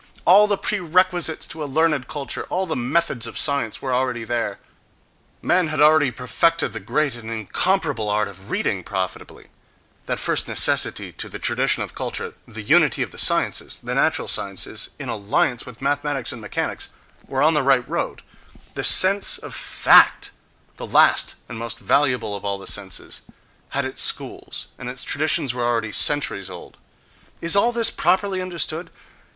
—All the prerequisites to a learned culture, all the methods of science, were already there; man had already perfected the great and incomparable art of read ing profitably—that first necessity to the tradition of culture, the unity of the sciences; the natural sciences, in alliance with mathematics and mechanics, were on the right road,—the sense of fact, the last and more valuable of all the senses, had its schools, and its traditions were already centuries old! Is all this properly understood?